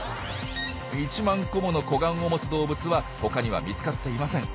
１万個もの個眼を持つ動物は他には見つかっていません。